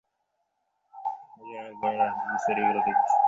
সবার কাছে অনুরোধ, সবাই যেন অ্যালবামের আসল সিডি কিনে গানগুলো শোনেন।